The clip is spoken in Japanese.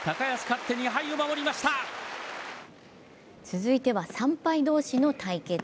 続いては３敗同士の対決。